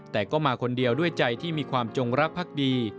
แต่ก็มาคนเดียวด้วยใจที่มีความจงรักพักดี